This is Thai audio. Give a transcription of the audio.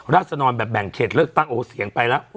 ราศนอนแบ่งเขตเลือกตั้งโอเสียงไปแล้ว